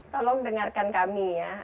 tolong dengarkan kami ya